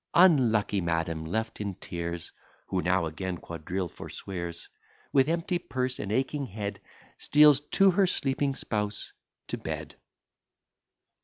Unlucky madam, left in tears, (Who now again quadrille forswears,) With empty purse, and aching head, Steals to her sleeping spouse to bed.